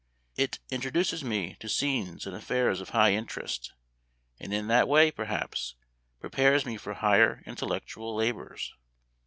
It introduces me to scenes and af fairs of high interest, and in that way, perhaps, prepares me for higher intellectual labors.